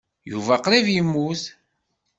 Yuba qrib yemmut.